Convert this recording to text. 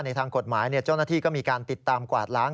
ทางกฎหมายเจ้าหน้าที่ก็มีการติดตามกวาดล้าง